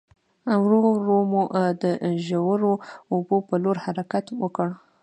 ورو ورو مو د ژورو اوبو په لور حرکت وکړ.